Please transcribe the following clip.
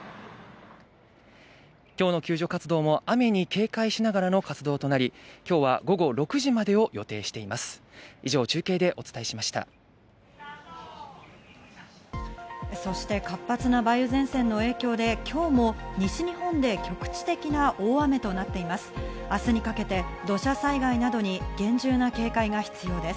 今日の救助活動も雨に警戒しながらの活動となり今日は午後６時までを予定しています。